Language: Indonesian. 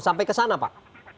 sampai kesana pak